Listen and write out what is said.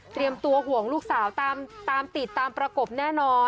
ตัวห่วงลูกสาวตามติดตามประกบแน่นอน